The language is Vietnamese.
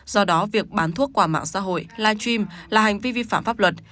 do đó việc bán thuốc qua mạng xã hội live stream là hành vi vi phạm pháp luật